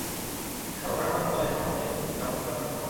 সরল কাঠামোর ফলে সময় বাঁচে এবং দ্রুত গ্রাহক সেবা দেওয়া সম্ভব হয়।